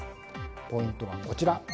ポイントはこちら。